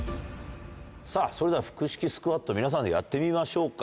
さぁそれでは腹式スクワット皆さんでやってみましょうか。